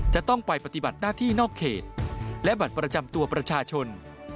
จะต้องไปปฏิบัติหน้าที่นอกเขตและบัตรประจำตัวประชาชน